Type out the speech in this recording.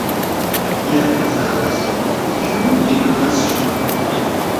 І аказалася, такіх людзей у нас шмат.